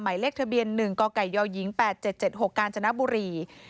หมายเลขทะเบียน๑กยย๘๗๗๖กาญจนบุรี